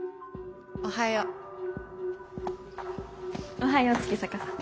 おはよ月坂さん。